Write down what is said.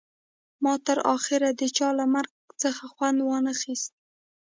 ما تر اخره د چا له مرګ څخه خوند ونه خیست